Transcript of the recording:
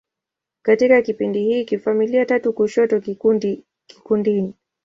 Katika kipindi hiki, familia tatu kushoto kikundi.